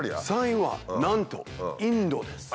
３位はなんとインドです。